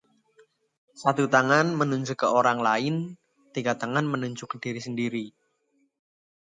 Satu tangan menunjuk ke orang lain, tiga tangan menunjuk ke diri sendiri